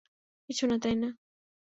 কিছু না, তাই না?